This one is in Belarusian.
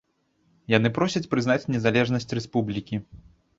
Яны просяць прызнаць незалежнасць рэспублікі.